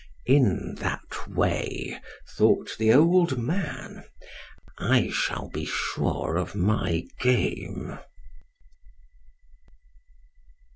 "In that way," thought the old man, "I shall be sure of my game."